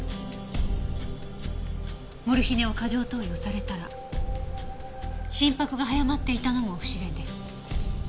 モルヒネを過剰投与されたら心拍が早まっていたのも不自然です。